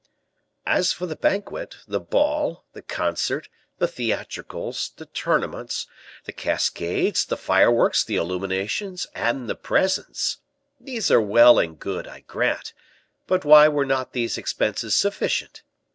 "As for the banquet, the ball, the concert, the theatricals, the tournaments, the cascades, the fireworks, the illuminations, and the presents these are well and good, I grant; but why were not these expenses sufficient?